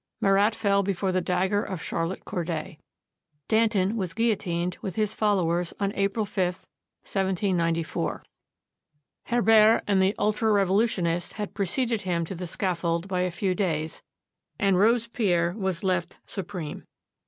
Marat fell before the dagger of Charlotte Corday. Danton was guillotined with his followers on April 5, 1794. Herbert and the ultra revolutionists had preceded him to the scaffold by a few days, and Robespierre was left supreme.